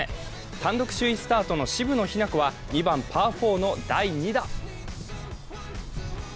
単独首位スタートの渋野日向子は２番パー４の第２打。